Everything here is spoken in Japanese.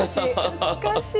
懐かしい。